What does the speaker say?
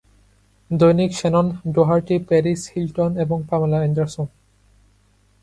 দৈনিক, Shannen Doherty, Paris Hilton এবং Pamela Anderson.